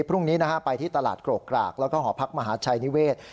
พรุ่งนี้ไปที่ตลาดโกรกกรากแล้วก็หอพักมหาชัยนิเวศ